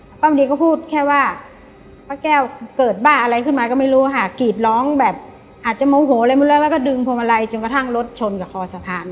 ป้าเป้าบานดีก็พูดแค่ว่าป้าแก่วเกิด็บ้าอะไรขึ้นมาก็ไม่รู้หากกรีดร้องอาจจะโมโหในหมดแล้วเราก็ดึงพวงมาลัยจนกระทั่งรถคลนกับคอสะทาน